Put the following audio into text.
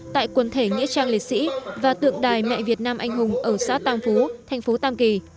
tại quần thể nghĩa trang liệt sĩ và tượng đài mẹ việt nam anh hùng ở xã tam phú thành phố tam kỳ